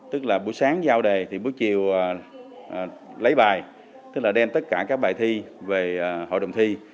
tức là buổi sáng giao đề thì bữa chiều lấy bài tức là đem tất cả các bài thi về hội đồng thi